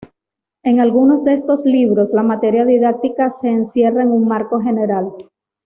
En algunos de estos libros, la materia didáctica se encierra en un marco general.